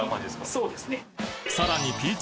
そうですね。